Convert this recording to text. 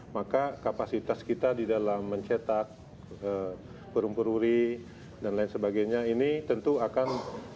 maka kapasitas kita di dalam mencetak perumpuri dan lain sebagainya ini tentu akan